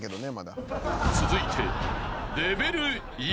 ［続いて］